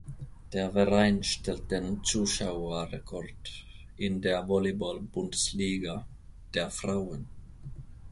Der Verein stellt den Zuschauerrekord in der Volleyball-Bundesliga der Frauen.